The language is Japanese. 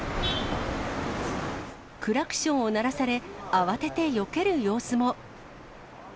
クラクションを鳴らされ、慌ててよける様子も。